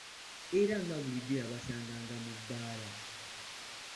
Era nga bulijjo yabasanganga mu bbaala.